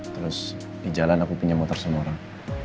terus di jalan aku pinjam motor semua orang